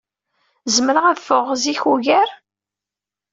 Zemreɣ ad ffɣeɣ zik ugar?